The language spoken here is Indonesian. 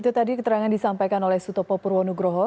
itu tadi keterangan disampaikan oleh sutopo purwonugroho